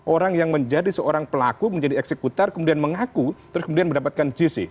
orang yang menjadi seorang pelaku menjadi eksekutor kemudian mengaku terus kemudian mendapatkan jc